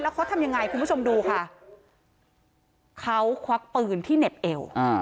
เขาทำยังไงคุณผู้ชมดูค่ะเขาควักปืนที่เหน็บเอว